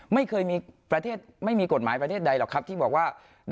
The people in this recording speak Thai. ไม่เคยมีประเทศไม่มีกฎหมายประเทศใดหรอกครับที่บอกว่า